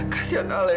kasian alena bu